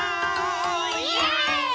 イエーイ！